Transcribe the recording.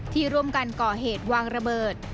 ที่ร่วมกันก่อเหตุวางระเบิด